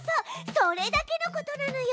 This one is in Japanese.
それだけのことなのよ。